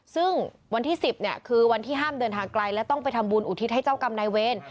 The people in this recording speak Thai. ซึ่งวันที่๑๐เนี่ยคือวันที่ห้ามเดินทางไกลและต้องไปทำบุญอุทิศให้เจ้ากรรมนายเวร